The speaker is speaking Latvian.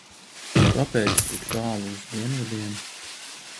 Kāpēc tik tālu uz dienvidiem?